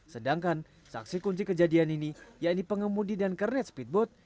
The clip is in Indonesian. sedangkan saksi kunci kejadian ini yaitu pengemudi dan kernet speedboat